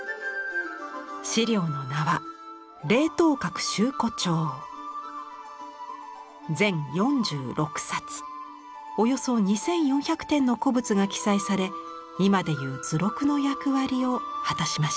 資料の名は凡そ２４００点の古物が記載され今でいう図録の役割を果たしました。